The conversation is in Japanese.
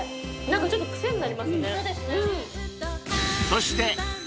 ちょっと癖になりますね。